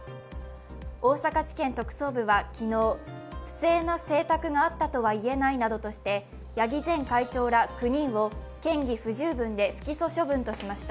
大阪地検特捜部は昨日、不正な請託があったとは言えないなどとして八木前会長ら９人を嫌疑不十分で不起訴処分としました。